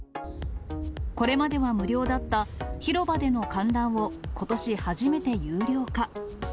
これまでは無料だった広場での観覧をことし初めて有料化。